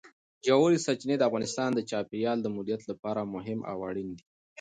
ژورې سرچینې د افغانستان د چاپیریال د مدیریت لپاره ډېر مهم او اړین دي.